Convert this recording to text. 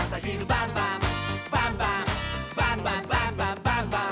「バンバンバンバンバンバン！」